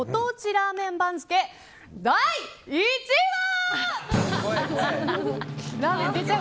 ラーメン番付第１位は。